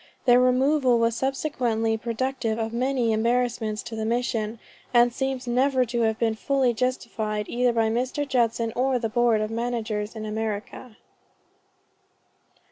Their removal was subsequently productive of many embarrassments to the Mission, and seems never to have been fully justified either by Mr. Judson or the Board of Managers in America."